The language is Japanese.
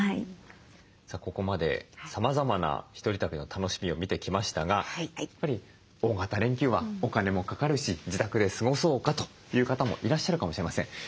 さあここまでさまざまな１人旅の楽しみを見てきましたがやっぱり大型連休はお金もかかるし自宅で過ごそうかという方もいらっしゃるかもしれません。